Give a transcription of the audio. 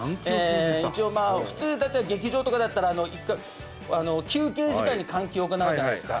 一応普通大体劇場とかだったら一回休憩時間に換気を行うじゃないですか。